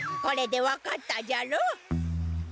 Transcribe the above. これで分かったじゃろ？